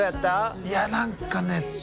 いや何かね